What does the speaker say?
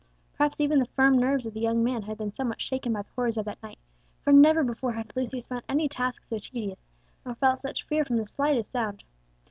Perhaps even the firm nerves of the young man had been somewhat shaken by the horrors of that night, for never before had Lucius found any task so tedious, nor felt such fear from the slightest sound.